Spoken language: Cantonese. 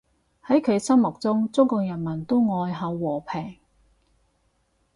喺佢心目中，中國人民都愛好和平